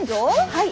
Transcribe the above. はい。